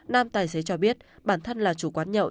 nam tài xế cho biết bản thân là chủ quán nhậu